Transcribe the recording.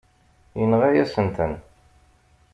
Yenɣa-yasen-ten.